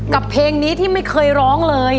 เพลงนี้ที่ไม่เคยร้องเลย